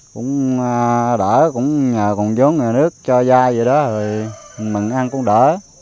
cũng đỡ cũng nhờ còn giống người nước cho giai vậy đó mừng ăn cũng đỡ